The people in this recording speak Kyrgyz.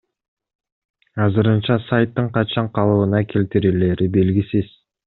Азырынча сайттын качан калыбына келтирилери белгисиз.